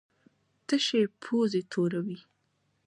تشې پوزې توروي.